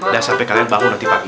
dan sampai kalian bangun nanti pagi